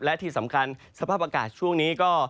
และที่สำคัญสภาพอากาศช่วงนี้ก็